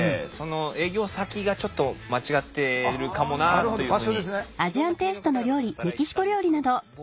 営業先がちょっと間違ってるかもなっていうふうに。